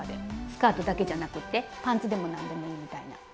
スカートだけじゃなくってパンツでも何でもいいみたいな。